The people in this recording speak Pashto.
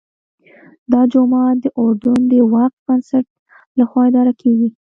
دا جومات د اردن د وقف بنسټ لخوا اداره کېږي.